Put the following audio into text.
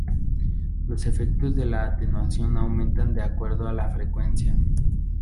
Los efectos de la atenuación aumentan de acuerdo a la frecuencia.